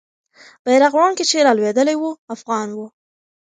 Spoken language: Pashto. بیرغ وړونکی چې رالوېدلی وو، افغان وو.